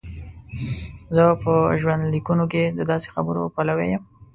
زه په ژوندلیکونو کې د داسې خبرو پلوی یم.